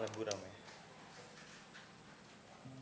kayaknya mau mencari k